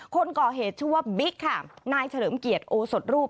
คนก่อเหตุชื่อว่าบิ๊กค่ะนายเฉลิมเกียรติโอสดรูป